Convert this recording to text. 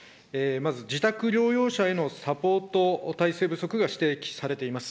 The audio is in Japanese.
まず自宅療養者へのサポート体制不足が指摘されています。